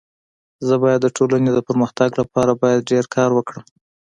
زه بايد د ټولني د پرمختګ لپاره باید ډير کار وکړم.